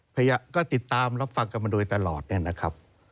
พยายามก็ติดตามรับฟังกันมาโดยตลอดเนี่ยนะครับ